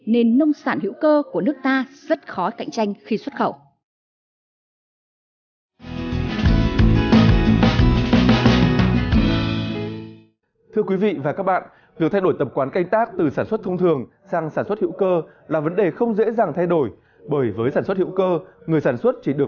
nên nông sản hữu cơ của nước ta rất khó cạnh tranh khi xuất khẩu